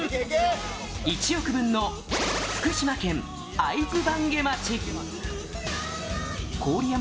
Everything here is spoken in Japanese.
１億分の福島県会津坂下町。